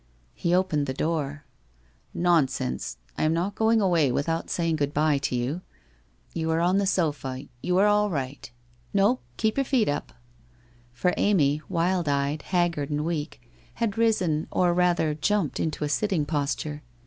He opened the door. ' Nonsense ! I am not going away without saying good bye to you. You are on the sofa — you are all right. No — keep your feet up !' For Amy, wild eyed, haggard, and weak, had risen or rather jumped to a sitting posture.